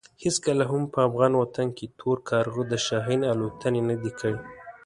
هېڅکله هم په افغان وطن کې تور کارغه د شاهین الوتنې نه دي کړې.